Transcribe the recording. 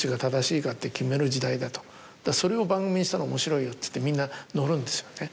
「それを番組にしたら面白いよ」っつってみんな乗るんですよね。